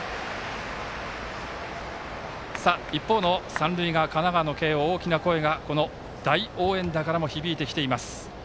一方の三塁側、神奈川の慶応大きな声がこの大応援団からも響いてきています。